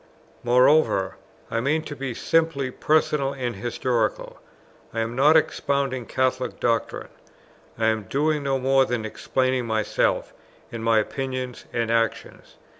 Moreover, I mean to be simply personal and historical: I am not expounding Catholic doctrine, I am doing no more than explaining myself, and my opinions and actions.